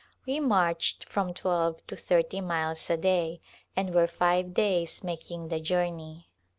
We marched from twelve to thirty miles a day and were five days making the journey.